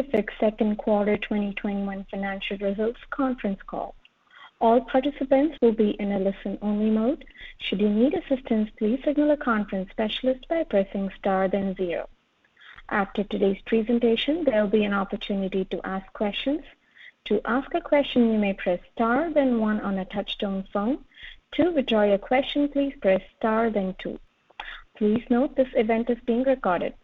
Semler Scientific second quarter 2021 financial results conference call. All participants will be in a listen-only mode. Should you need assistance, please signal a conference specialist by pressing star then zero. After today's presentation, there'll be an opportunity to ask questions. To ask a question, you may press star, then one on a touch-tone phone. To withdraw your question, please press star, then two. Please note this event is being recorded.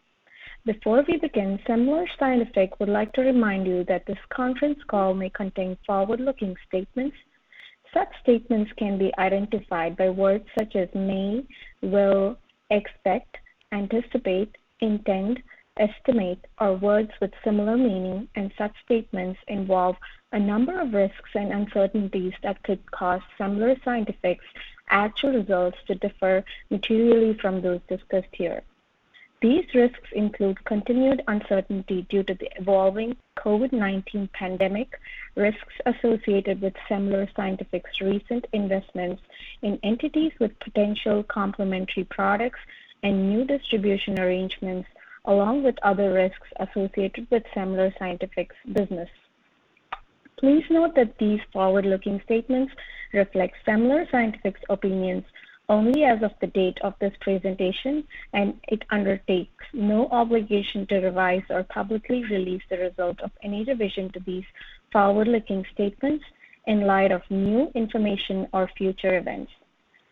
Before we begin, Semler Scientific would like to remind you that this conference call may contain forward-looking statements. Such statements can be identified by words such as may, will, expect, anticipate, intend, estimate, or words with similar meaning, and such statements involve a number of risks and uncertainties that could cause Semler Scientific's actual results to differ materially from those discussed here. These risks include continued uncertainty due to the evolving COVID-19 pandemic, risks associated with Semler Scientific's recent investments in entities with potential complementary products and new distribution arrangements, along with other risks associated with Semler Scientific's business. Please note that these forward-looking statements reflect Semler Scientific's opinions only as of the date of this presentation, and it undertakes no obligation to revise or publicly release the results of any revision to these forward-looking statements in light of new information or future events.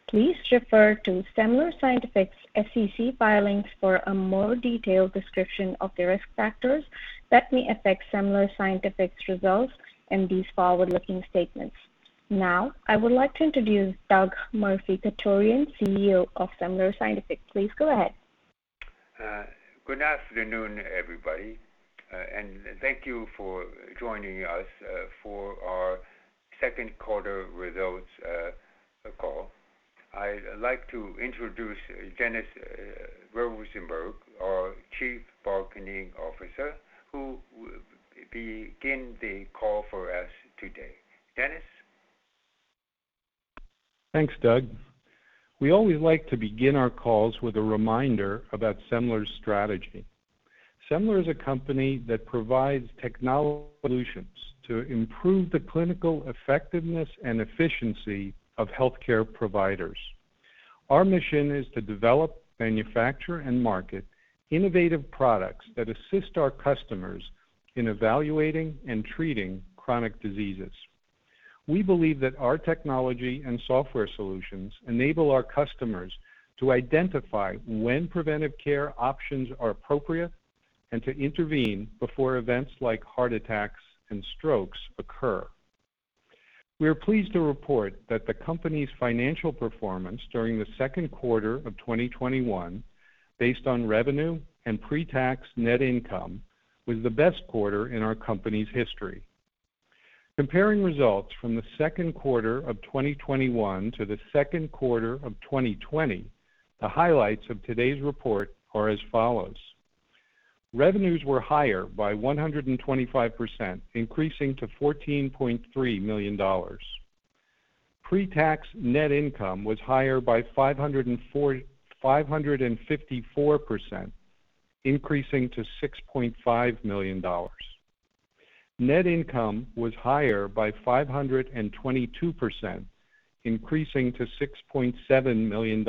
Please refer to Semler Scientific's SEC filings for a more detailed description of the risk factors that may affect Semler Scientific's results and these forward-looking statements. I would like to introduce Douglas Murphy-Chutorian, CEO of Semler Scientific. Please go ahead. Good afternoon, everybody. Thank you for joining us for our second quarter results call. I'd like to introduce Dennis Rosenberg, our Chief Marketing Officer, who will begin the call for us today. Dennis? Thanks, Doug. We always like to begin our calls with a reminder about Semler's strategy. Semler is a company that provides technology solutions to improve the clinical effectiveness and efficiency of healthcare providers. Our mission is to develop, manufacture, and market innovative products that assist our customers in evaluating and treating chronic diseases. We believe that our technology and software solutions enable our customers to identify when preventive care options are appropriate and to intervene before events like heart attacks and strokes occur. We are pleased to report that the company's financial performance during the second quarter of 2021, based on revenue and pre-tax net income, was the best quarter in our company's history. Comparing results from the second quarter of 2021 to the second quarter of 2020, the highlights of today's report are as follows. Revenues were higher by 125%, increasing to $14.3 million. Pre-tax net income was higher by 554%, increasing to $6.5 million. Net income was higher by 522%, increasing to $6.7 million.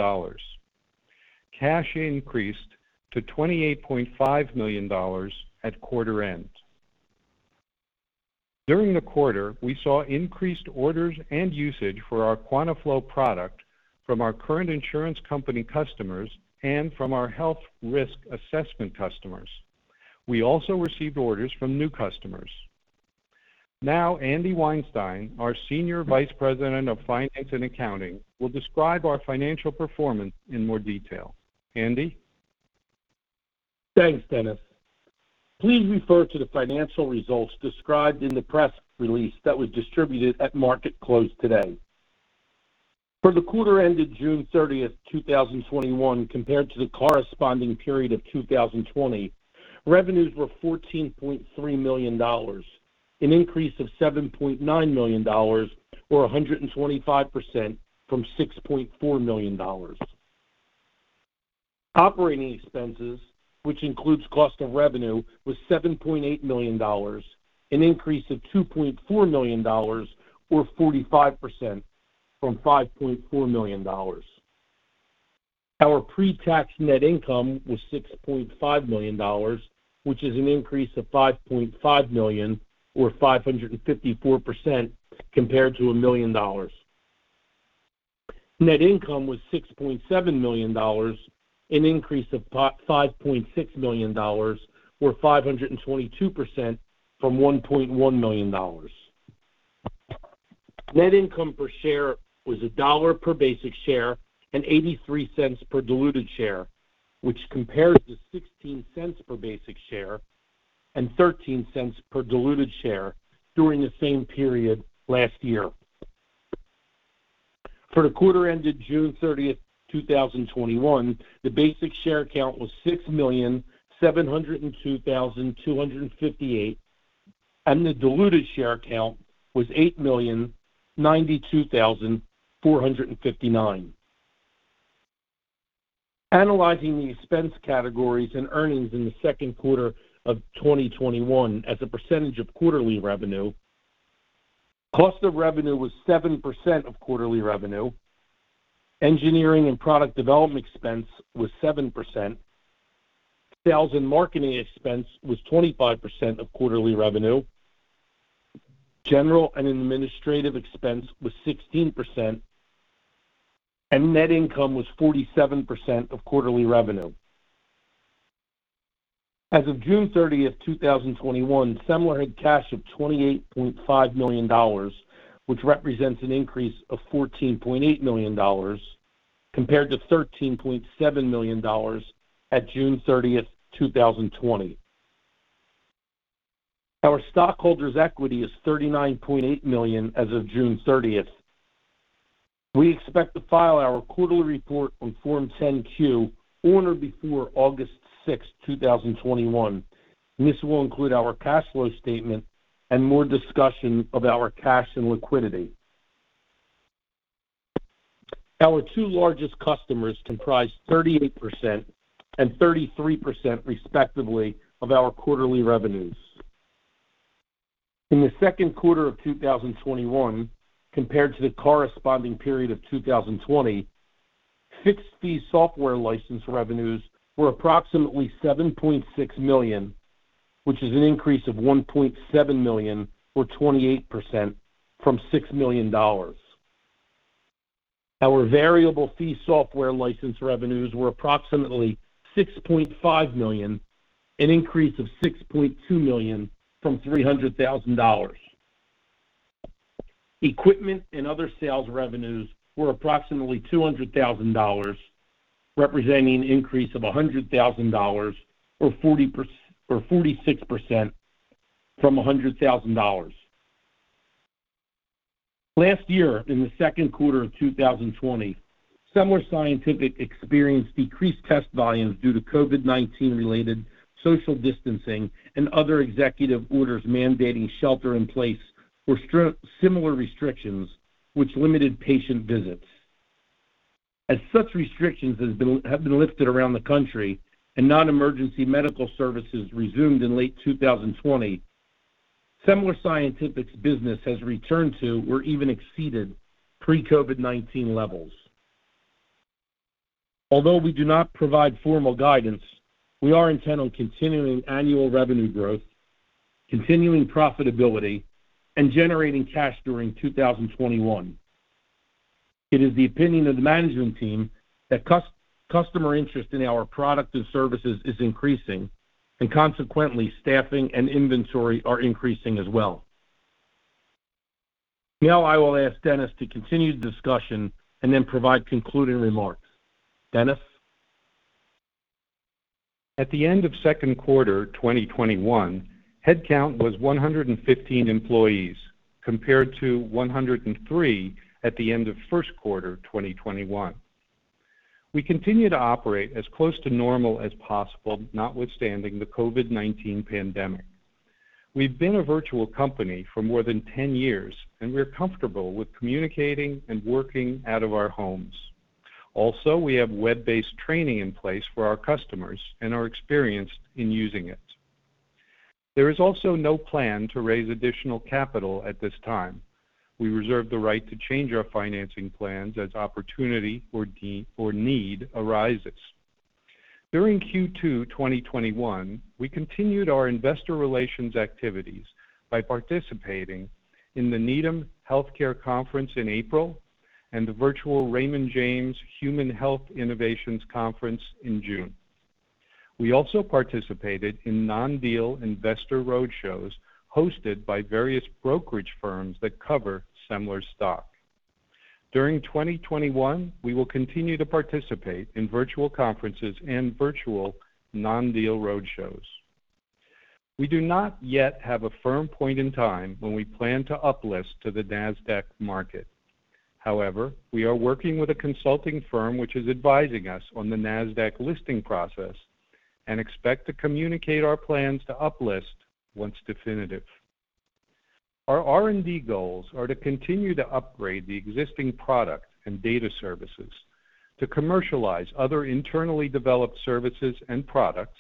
Cash increased to $28.5 million at quarter end. During the quarter, we saw increased orders and usage for our QuantaFlo product from our current insurance company customers and from our health risk assessment customers. We also received orders from new customers. Now, Andy Weinstein, our Senior Vice President of Finance and Accounting, will describe our financial performance in more detail. Andy? Thanks, Dennis. Please refer to the financial results described in the press release that was distributed at market close today. For the quarter ended June 30th, 2021 compared to the corresponding period of 2020, revenues were $14.3 million, an increase of $7.9 million, or 125%, from $6.4 million. Operating expenses, which includes cost of revenue, was $7.8 million, an increase of $2.4 million, or 45%, from $5.4 million. Our pre-tax net income was $6.5 million, which is an increase of $5.5 million, or 554%, compared to $1 million. Net income was $6.7 million, an increase of $5.6 million, or 522%, from $1.1 million. Net income per share was $1 per basic share and $0.83 per diluted share, which compares to $0.16 per basic share and $0.13 per diluted share during the same period last year. For the quarter ended June 30th, 2021, the basic share count was 6,702,258 and the diluted share count was 8,092,459. Analyzing the expense categories and earnings in the second quarter of 2021 as a percentage of quarterly revenue, cost of revenue was 7% of quarterly revenue, engineering and product development expense was 7%, sales and marketing expense was 25% of quarterly revenue, general and administrative expense was 16%, and net income was 47% of quarterly revenue. As of June 30th, 2021, Semler had cash of $28.5 million, which represents an increase of $14.8 million compared to $13.7 million at June 30th, 2020. Our stockholders' equity is $39.8 million as of June 30th. We expect to file our quarterly report on Form 10-Q on or before August 6th, 2021, and this will include our cash flow statement and more discussion of our cash and liquidity. Our two largest customers comprise 38% and 33%, respectively, of our quarterly revenues. In the second quarter of 2021 compared to the corresponding period of 2020, fixed fee software license revenues were approximately $7.6 million, which is an increase of $1.7 million or 28% from $6 million. Our variable fee software license revenues were approximately $6.5 million, an increase of $6.2 million from $300,000. Equipment and other sales revenues were approximately $200,000, representing an increase of $100,000 or 46% from $100,000. Last year, in the second quarter of 2020, Semler Scientific experienced decreased test volumes due to COVID-19 related social distancing and other executive orders mandating shelter in place or similar restrictions, which limited patient visits. As such restrictions have been lifted around the country and non-emergency medical services resumed in late 2020, Semler Scientific's business has returned to or even exceeded pre-COVID-19 levels. Although we do not provide formal guidance, we are intent on continuing annual revenue growth, continuing profitability, and generating cash during 2021. It is the opinion of the management team that customer interest in our product and services is increasing, and consequently, staffing and inventory are increasing as well. Now, I will ask Dennis to continue the discussion and then provide concluding remarks. Dennis? At the end of second quarter 2021, headcount was 115 employees, compared to 103 at the end of first quarter 2021. We continue to operate as close to normal as possible, notwithstanding the COVID-19 pandemic. We've been a virtual company for more than 10 years, and we're comfortable with communicating and working out of our homes. Also, we have web-based training in place for our customers and are experienced in using it. There is also no plan to raise additional capital at this time. We reserve the right to change our financing plans as opportunity or need arises. During Q2 2021, we continued our investor relations activities by participating in the Needham Healthcare Conference in April and the virtual Raymond James Human Health Innovation Conference in June. We also participated in non-deal investor roadshows hosted by various brokerage firms that cover Semler's stock. During 2021, we will continue to participate in virtual conferences and virtual non-deal roadshows. We do not yet have a firm point in time when we plan to up-list to the Nasdaq market. However, we are working with a consulting firm which is advising us on the Nasdaq listing process and expect to communicate our plans to up-list once definitive. Our R&D goals are to continue to upgrade the existing product and data services, to commercialize other internally developed services and products,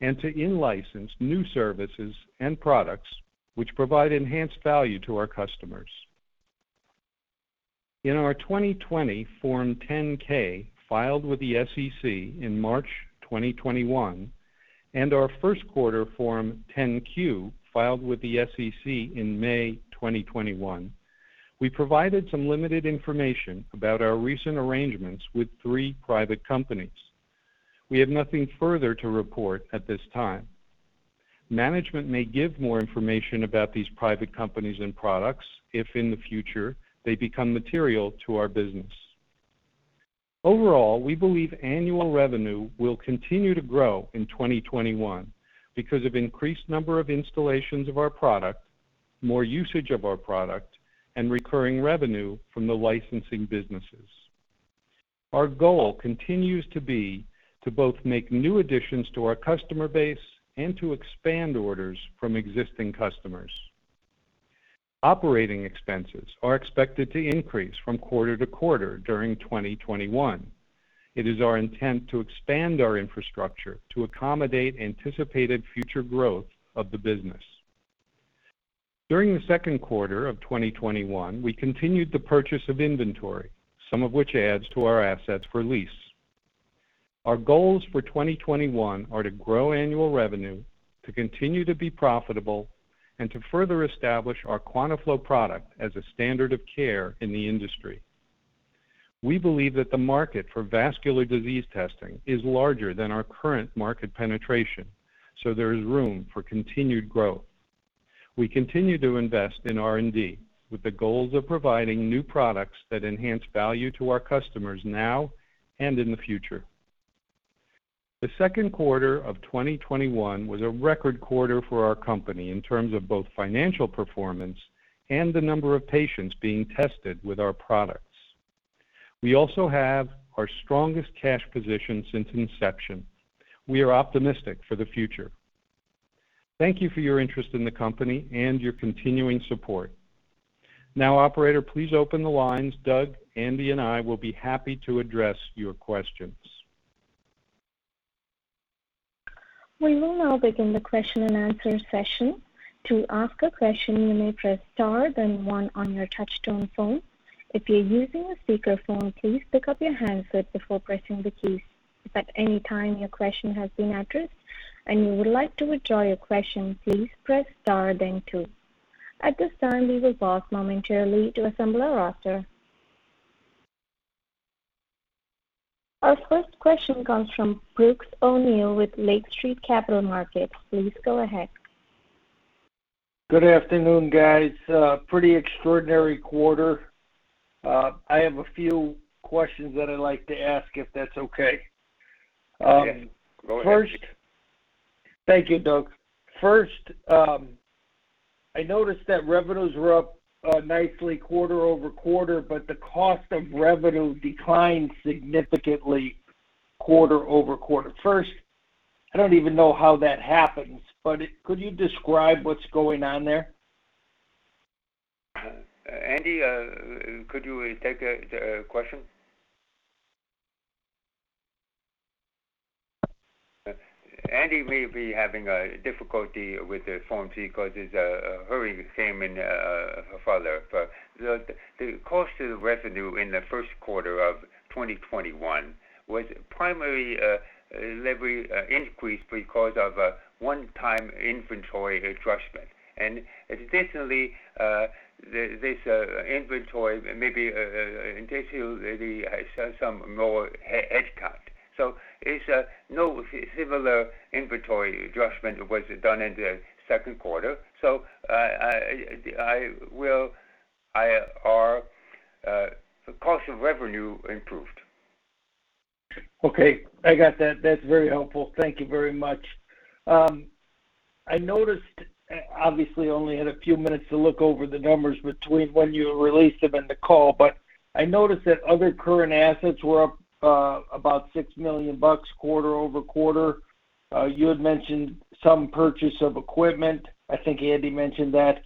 and to in-license new services and products which provide enhanced value to our customers. In our 2020 Form 10-K, filed with the SEC in March 2021, and our first quarter Form 10-Q, filed with the SEC in May 2021, we provided some limited information about our recent arrangements with three private companies. We have nothing further to report at this time. Management may give more information about these private companies and products if, in the future, they become material to our business. Overall, we believe annual revenue will continue to grow in 2021 because of increased number of installations of our product, more usage of our product, and recurring revenue from the licensing businesses. Our goal continues to be to both make new additions to our customer base and to expand orders from existing customers. Operating expenses are expected to increase from quarter to quarter during 2021. It is our intent to expand our infrastructure to accommodate anticipated future growth of the business. During the second quarter of 2021, we continued the purchase of inventory, some of which adds to our assets for lease. Our goals for 2021 are to grow annual revenue, to continue to be profitable, and to further establish our QuantaFlo product as a standard of care in the industry. We believe that the market for vascular disease testing is larger than our current market penetration. There is room for continued growth. We continue to invest in R&D with the goals of providing new products that enhance value to our customers now and in the future. The second quarter of 2021 was a record quarter for our company in terms of both financial performance and the number of patients being tested with our products. We also have our strongest cash position since inception. We are optimistic for the future. Thank you for your interest in the company and your continuing support. Operator, please open the lines. Doug, Andy, and I will be happy to address your questions. We will now begin the question-and-answer session. To ask a question, you may press star then one on your touch-tone phone. If you're using a speakerphone, please pick up your handset before pressing the keys. If at any time your question has been addressed and you would like to withdraw your question, please press star then two. At this time, we will pause momentarily to assemble our roster. Our first question comes from Brooks O'Neil with Lake Street Capital Markets. Please go ahead. Good afternoon, guys. Pretty extraordinary quarter. I have a few questions that I'd like to ask, if that's okay. Yes. Go ahead. Thank you, Doug. First, I noticed that revenues were up nicely quarter-over-quarter. The cost of revenue declined significantly quarter-over-quarter. First, I don't even know how that happens. Could you describe what's going on there? Andy, could you take the question? Andy may be having difficulty with the phone because he's [hurrying the same in a follow-up]. The cost of revenue in the first quarter of 2021 was primarily increased because of a one-time inventory adjustment. Additionally, this inventory may be intentionally some more hedge cut. It's no similar inventory adjustment was done in the second quarter. Our cost of revenue improved. Okay. I got that. That's very helpful. Thank you very much. I noticed, obviously only had a few minutes to look over the numbers between when you released them and the call, I noticed that other current assets were up about $6 million quarter-over-quarter. You had mentioned some purchase of equipment. I think Andy mentioned that.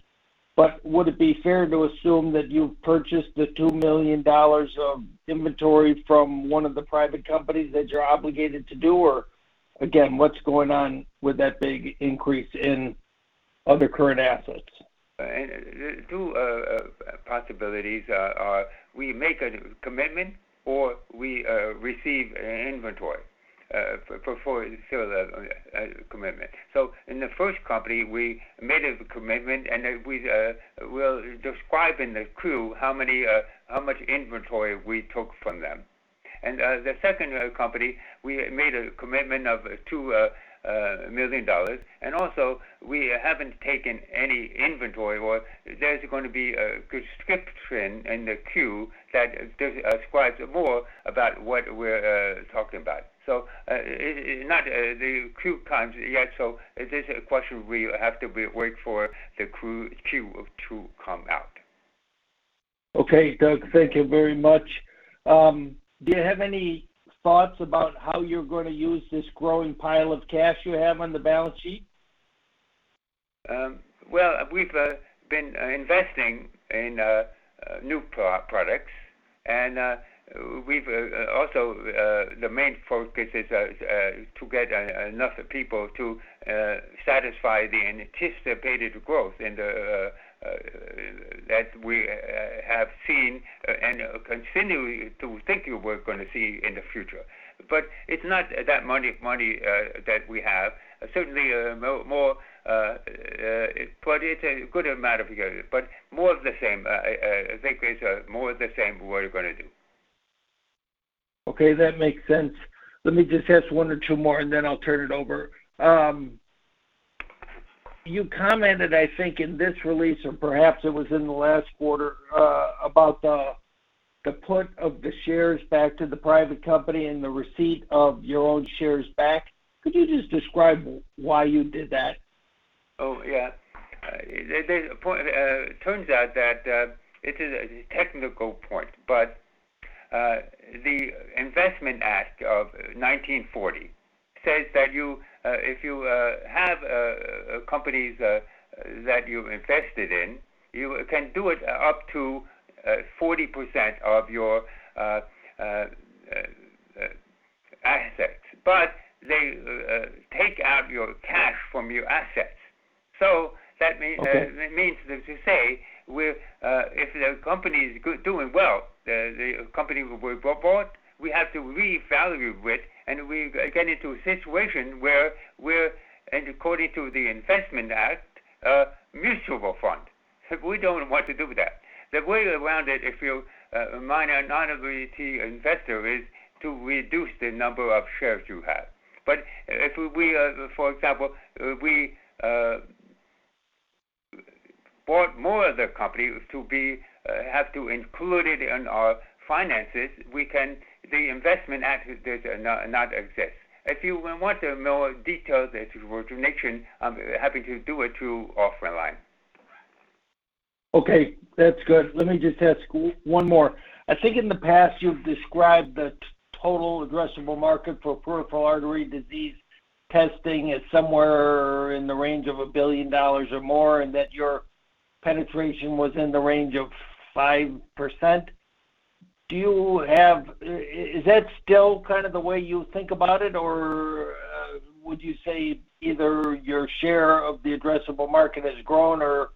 Would it be fair to assume that you purchased the $2 million of inventory from one of the private companies that you're obligated to do? Again, what's going on with that big increase in other current assets? Two possibilities are we make a commitment or we receive inventory before the commitment. In the first company, we made a commitment, and we will describe in the Q how much inventory we took from them. The second company, we made a commitment of $2 million. Also, we haven't taken any inventory, or there's going to be a description in the Q that describes more about what we're talking about. It's not the Q times yet, so this is a question we have to wait for the Q to come out. Okay, Doug. Thank you very much. Do you have any thoughts about how you're going to use this growing pile of cash you have on the balance sheet? Well, we've been investing in new products, and also the main focus is to get enough people to satisfy the anticipated growth that we have seen and continue to think we're going to see in the future. It's not that money that we have. Certainly, it's a good amount of money, but more of the same. I think it's more of the same we're going to do. Okay. That makes sense. Let me just ask one or two more and then I'll turn it over. You commented, I think, in this release, or perhaps it was in the last quarter, about the put of the shares back to the private company and the receipt of your own shares back. Could you just describe why you did that? Oh, yeah. It turns out that it is a technical point, but the Investment Company Act of 1940 says that if you have companies that you've invested in, you can do it up to 40% of your assets. They take out your cash from your assets. Okay That means to say, if the company is doing well, the company we bought, we have to revalue it, and we get into a situation where we're, and according to the Investment Act, a mutual fund. We don't want to do that. The way around it, if you're a minor non-entity investor, is to reduce the number of shares you have. If we, for example, bought more of the company to have to include it in our finances, the Investment Act does not exist. If you want more details or to mention, I'm happy to do it offline. Okay. That's good. Let me just ask one more. I think in the past, you've described the total addressable market for Peripheral Arterial Disease testing as somewhere in the range of $1 billion or more, and that your penetration was in the range of 5%. Is that still the way you think about it, or would you say either your share of the addressable market has grown or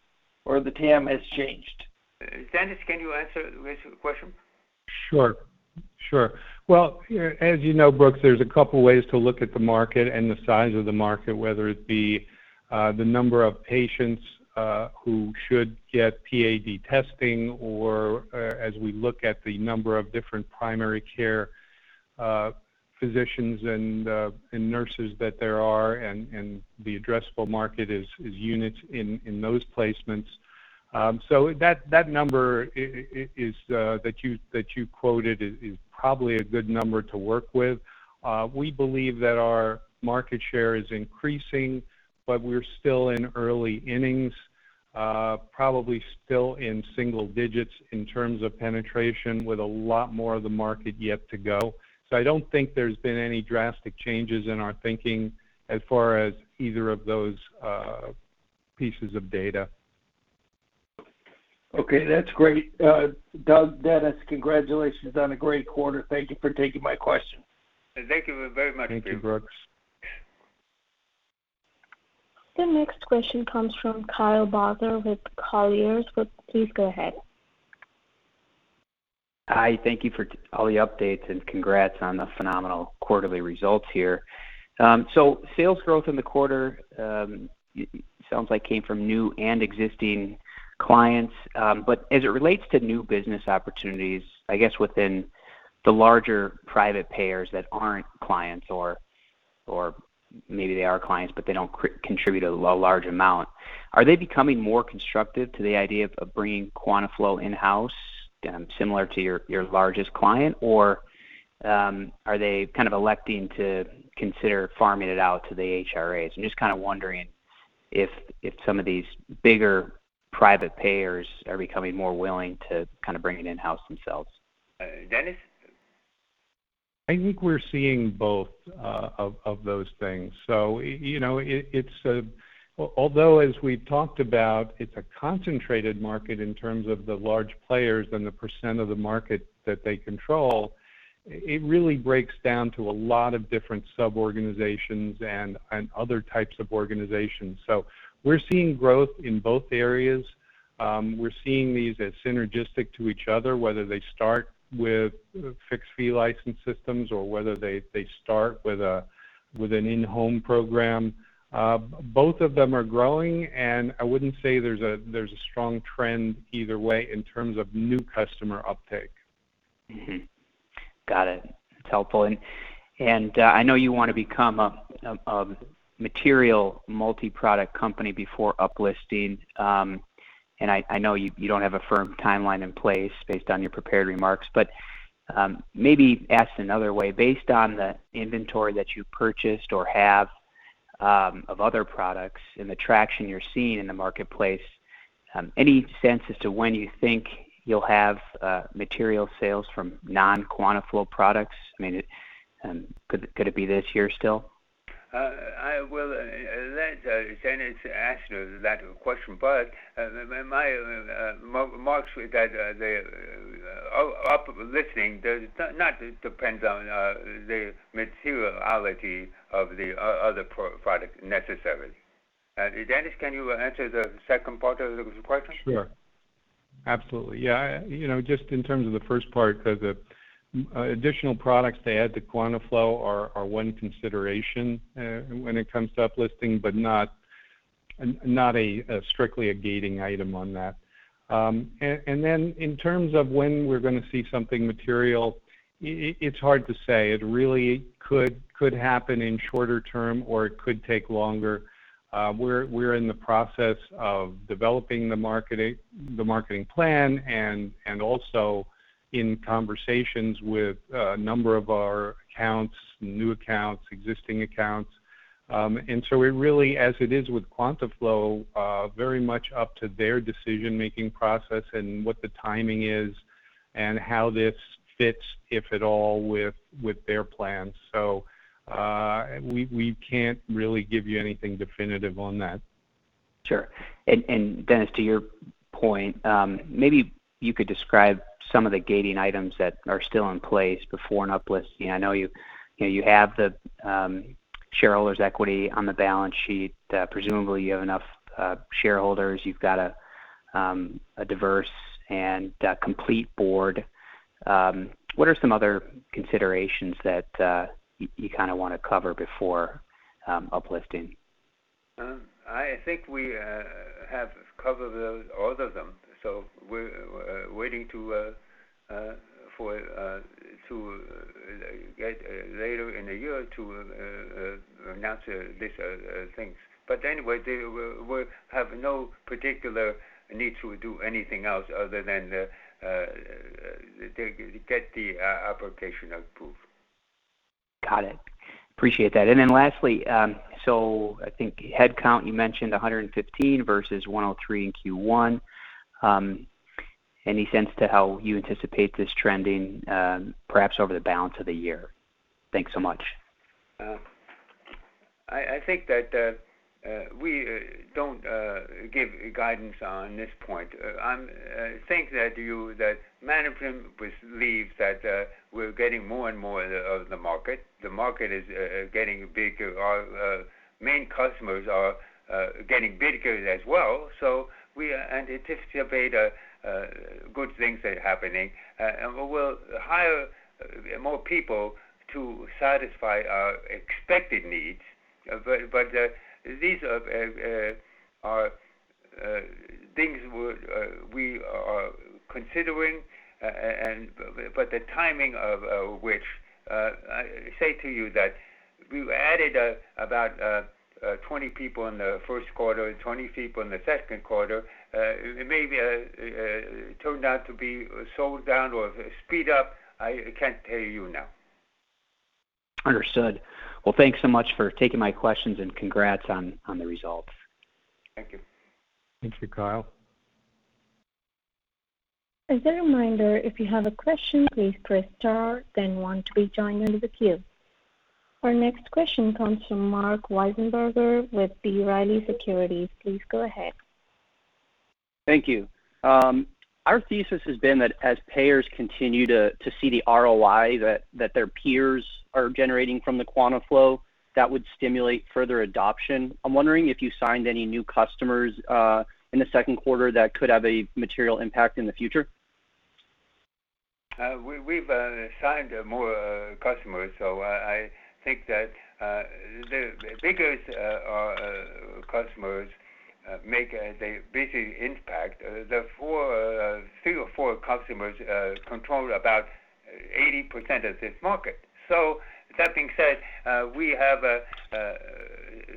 the TAM has changed? Dennis, can you answer the question? Sure. Well, as you know, Brooks, there's a couple ways to look at the market and the size of the market, whether it be the number of patients who should get PAD testing or as we look at the number of different primary care physicians and nurses that there are and the addressable market is units in those placements. That number that you quoted is probably a good number to work with. We believe that our market share is increasing, but we're still in early innings. Probably still in single digits in terms of penetration, with a lot more of the market yet to go. I don't think there's been any drastic changes in our thinking as far as either of those pieces of data. Okay, that's great. Doug, Dennis, congratulations on a great quarter. Thank you for taking my question. Thank you very much, Brooks. Thank you, Brooks. The next question comes from Kyle Bauser with Colliers Securities. Please go ahead. Hi. Thank you for all the updates, and congrats on the phenomenal quarterly results here. Sales growth in the quarter sounds like it came from new and existing clients. As it relates to new business opportunities, I guess within the larger private payers that aren't clients, or maybe they are clients, but they don't contribute a large amount, are they becoming more constructive to the idea of bringing QuantaFlo in-house, similar to your largest client, or are they electing to consider farming it out to the HRAs? I'm just wondering if some of these bigger private payers are becoming more willing to bring it in-house themselves. Dennis? I think we're seeing both of those things. Although as we've talked about, it's a concentrated market in terms of the large players and the percent of the market that they control, it really breaks down to a lot of different sub-organizations and other types of organizations. We're seeing growth in both areas. We're seeing these as synergistic to each other, whether they start with fixed-fee license systems or whether they start with an in-home program. Both of them are growing, and I wouldn't say there's a strong trend either way in terms of new customer uptake. Got it. It's helpful. I know you want to become a material multi-product company before up-listing. I know you don't have a firm timeline in place based on your prepared remarks, but maybe asked another way, based on the inventory that you purchased or have of other products and the traction you're seeing in the marketplace, any sense as to when you think you'll have material sales from non-QuantaFlo products? Could it be this year still? I will let Dennis answer that question, but my remarks were that the up-listing does not depend on the materiality of the other product necessarily. Dennis, can you answer the second part of the question? Sure. Absolutely. Yeah. Just in terms of the first part, because additional products to add to QuantaFlo are one consideration when it comes to up-listing, but not strictly a gating item on that. In terms of when we're going to see something material, it's hard to say. It really could happen in shorter term, or it could take longer. We're in the process of developing the marketing plan and also in conversations with a number of our accounts, new accounts, existing accounts. It really, as it is with QuantaFlo, very much up to their decision-making process and what the timing is and how this fits, if at all, with their plans. We can't really give you anything definitive on that. Sure. Dennis, to your point, maybe you could describe some of the gating items that are still in place before an uplisting. I know you have the shareholders' equity on the balance sheet. Presumably, you have enough shareholders. You've got a diverse and complete board. What are some other considerations that you want to cover before uplisting? I think we have covered all of them. We're waiting to get later in the year to announce these things. Anyway, we have no particular need to do anything else other than get the application approved. Got it. Appreciate that. Lastly, I think headcount, you mentioned 115 versus 103 in Q1. Any sense to how you anticipate this trending perhaps over the balance of the year? Thanks so much. I think that we don't give guidance on this point. I think that management believes that we're getting more and more of the market. The market is getting bigger. Our main customers are getting bigger as well. We anticipate good things are happening, and we'll hire more people to satisfy our expected needs. These are things we are considering. The timing of which, I say to you that we've added about 20 people in the first quarter and 20 people in the second quarter. It may turn out to be slowed down or speed up. I can't tell you now. Understood. Well, thanks so much for taking my questions, and congrats on the results. Thank you. Thank you, Kyle. As a reminder, if you have a question, please press star, then one to be joined into the queue. Our next question comes from Marc Wiesenberger with B. Riley Securities. Please go ahead. Thank you. Our thesis has been that as payers continue to see the ROI that their peers are generating from the QuantaFlo, that would stimulate further adoption. I'm wondering if you signed any new customers in the second quarter that could have a material impact in the future? We've signed more customers, so I think that the biggest customers make the biggest impact. Three or four customers control about 80% of this market. That being said, we have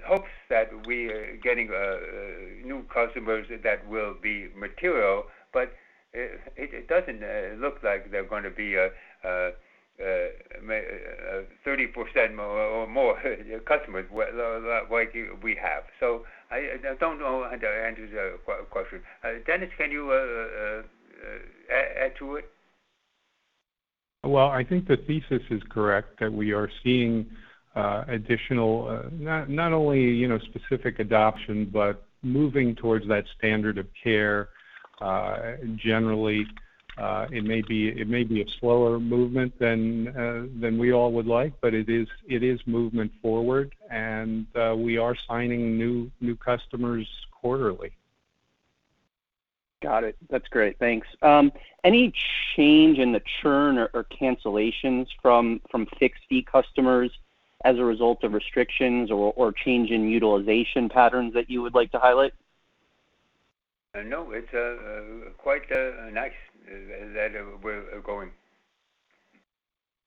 hopes that we're getting new customers that will be material, but it doesn't look like they're going to be 30% or more customers like we have. I don't know how to answer the question. Dennis, can you add to it? I think the thesis is correct, that we are seeing additional, not only specific adoption, but moving towards that standard of care. Generally, it may be a slower movement than we all would like, but it is movement forward and we are signing new customers quarterly. Got it. That's great. Thanks. Any change in the churn or cancellations from fixed-fee customers as a result of restrictions or change in utilization patterns that you would like to highlight? No, it's quite nice that we're going.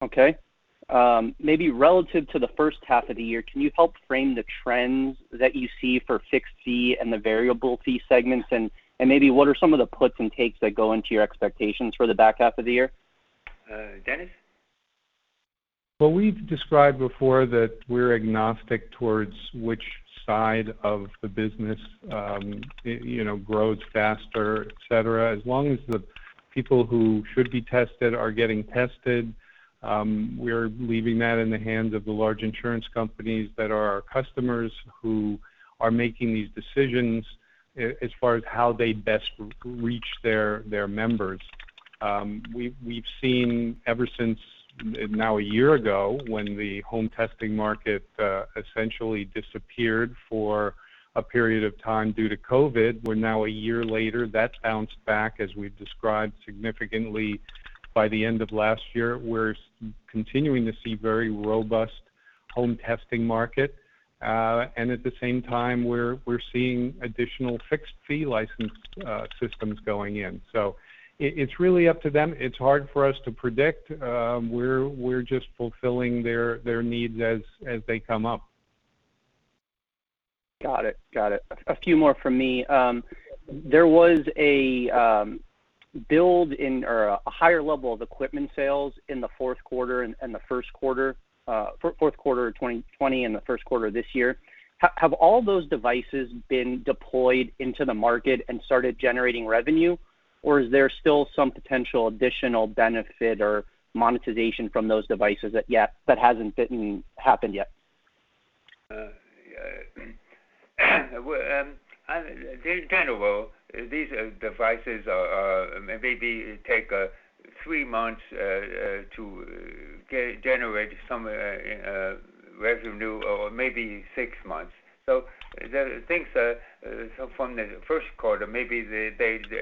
Okay. Maybe relative to the first half of the year, can you help frame the trends that you see for fixed-fee and the variable-fee segments and maybe what are some of the puts and takes that go into your expectations for the back half of the year? Dennis? We've described before that we're agnostic towards which side of the business grows faster, et cetera. As long as the people who should be tested are getting tested, we're leaving that in the hands of the large insurance companies that are our customers who are making these decisions as far as how they best reach their members. We've seen ever since now a year ago when the home testing market essentially disappeared for a period of time due to COVID-19. We're now a year later, that's bounced back, as we've described, significantly by the end of last year. We're continuing to see very robust home testing market. At the same time, we're seeing additional fixed-fee licensed systems going in. It's really up to them. It's hard for us to predict. We're just fulfilling their needs as they come up. Got it. A few more from me. There was a build or a higher level of equipment sales in the fourth quarter and the first quarter, fourth quarter of 2020 and the first quarter of this year. Have all those devices been deployed into the market and started generating revenue, or is there still some potential additional benefit or monetization from those devices that hasn't happened yet? They kind of will. These devices maybe take three months to generate some revenue or maybe six months. Things from the first quarter, maybe they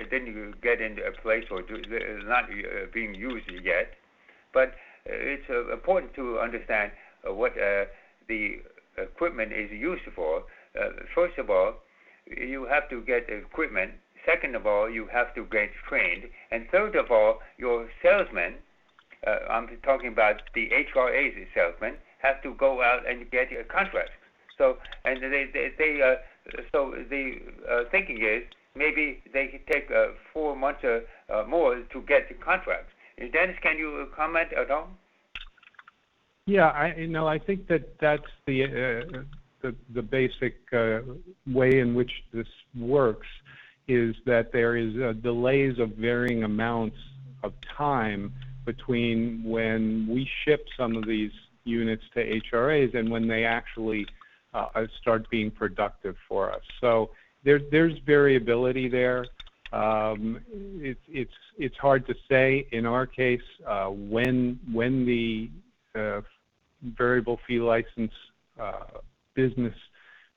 didn't get into a place or it is not being used yet. It's important to understand what the equipment is used for. First of all, you have to get equipment. Second of all, you have to get trained. Third of all, your salesman, I'm talking about the HRA salesman, have to go out and get a contract. The thinking is maybe they take four months or more to get the contract. Dennis, can you comment at all? Yeah. I think that's the basic way in which this works, is that there is delays of varying amounts of time between when we ship some of these units to HRAs and when they actually start being productive for us. There's variability there. It's hard to say, in our case, when the variable fee license business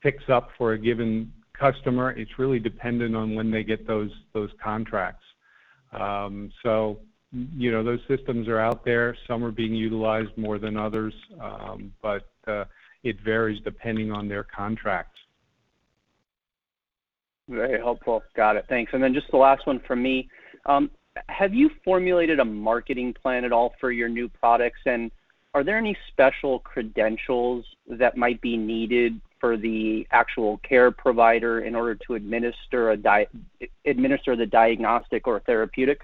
picks up for a given customer. It's really dependent on when they get those contracts. Those systems are out there. Some are being utilized more than others. It varies depending on their contracts. Very helpful. Got it. Thanks. Just the last one from me. Have you formulated a marketing plan at all for your new products? Are there any special credentials that might be needed for the actual care provider in order to administer the diagnostic or therapeutic?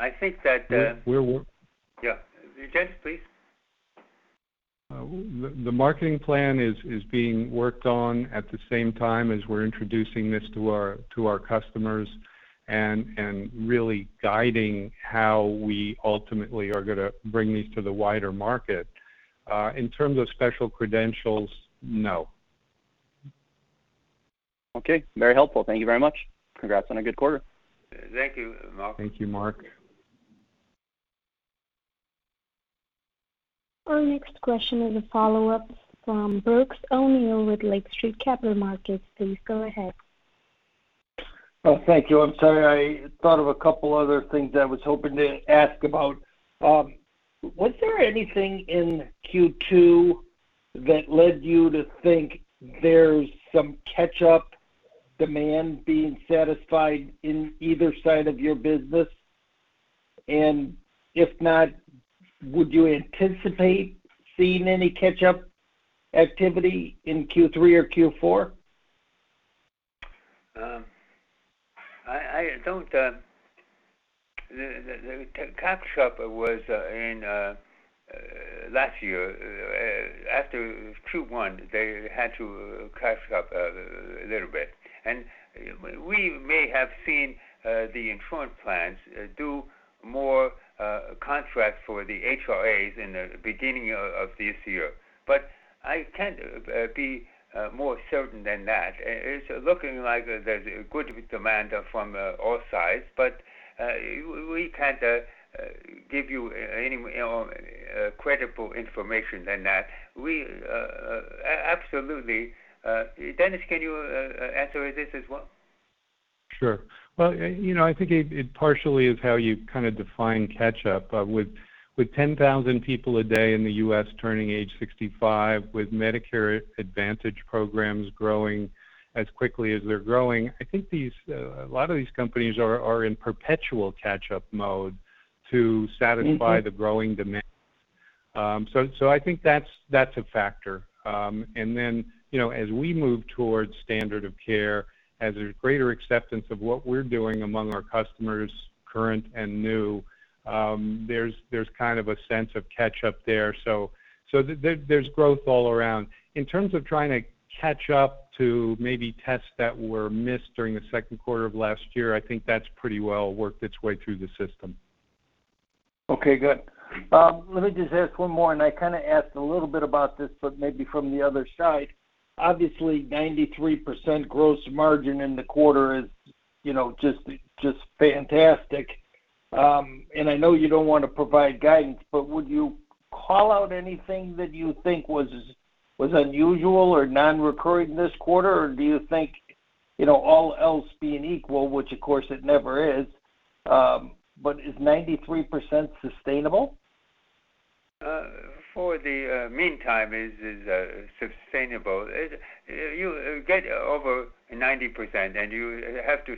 I think that- We're work- Yeah. Dennis, please. The marketing plan is being worked on at the same time as we're introducing this to our customers and really guiding how we ultimately are going to bring these to the wider market. In terms of special credentials, no. Okay. Very helpful. Thank you very much. Congrats on a good quarter. Thank you, Marc. Thank you, Mark. Our next question is a follow-up from Brooks O'Neil with Lake Street Capital Markets. Please go ahead. Thank you. I'm sorry, I thought of a couple other things I was hoping to ask about. Was there anything in Q2 that led you to think there's some catch-up demand being satisfied in either side of your business? And if not, would you anticipate seeing any catch-up activity in Q3 or Q4? The catch-up was in last year. After Q1, they had to catch up a little bit. We may have seen the insurance plans do more contracts for the HRAs in the beginning of this year. I can't be more certain than that. It's looking like there's a good demand from all sides, but we can't give you any credible information than that. Absolutely. Dennis, can you answer this as well? Sure. Well, I think it partially is how you kind of define catch-up. With 10,000 people a day in the U.S. turning age 65, with Medicare Advantage programs growing as quickly as they're growing, I think a lot of these companies are in perpetual catch-up mode to satisfy the growing demand. I think that's a factor. As we move towards standard of care, as there's greater acceptance of what we're doing among our customers, current and new, there's kind of a sense of catch-up there. There's growth all around. In terms of trying to catch up to maybe tests that were missed during the second quarter of last year, I think that's pretty well worked its way through the system. Okay, good. Let me just ask one more. I kind of asked a little bit about this, but maybe from the other side. Obviously, 93% gross margin in the quarter is just fantastic. I know you don't want to provide guidance. Would you call out anything that you think was unusual or non-recurring this quarter, or do you think all else being equal, which of course it never is, but is 93% sustainable? For the meantime, it is sustainable. You get over 90%, and you have to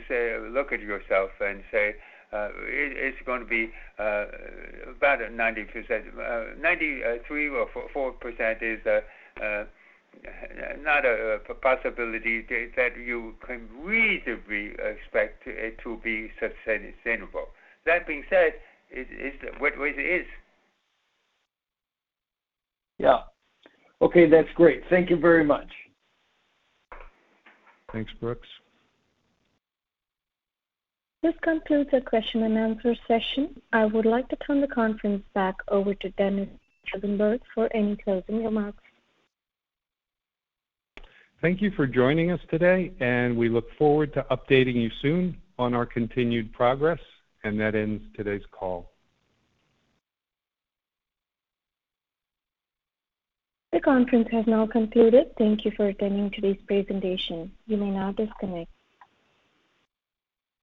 look at yourself and say, "It's going to be about 90%." 93% or 94% is not a possibility that you can reasonably expect it to be sustainable. That being said, it is what it is. Yeah. Okay, that's great. Thank you very much. Thanks, Brooks. This concludes our question and answer session. I would like to turn the conference back over to Dennis Rosenberg for any closing remarks. Thank you for joining us today, and we look forward to updating you soon on our continued progress. That ends today's call. The conference has now concluded. Thank you for attending today's presentation. You may now disconnect.